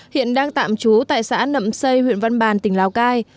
hiện đang tạm trú tại xã nậm xây huyện văn bàn tỉnh lào cai